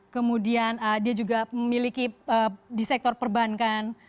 kemudian dia juga memiliki di sektor perbankan